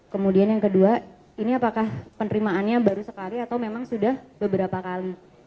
kemudian yang kedua ini apakah penerimaannya baru sekali atau memang sudah beberapa kali